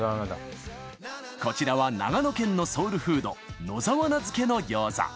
こちらは長野県のソウルフード野沢菜漬の餃子。